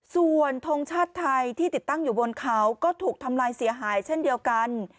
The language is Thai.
ส่วนทงชาติไทยที่ติดตั้งอยู่บนเขาก็ถูกทำลายเสียหายเช่นเดียวกัน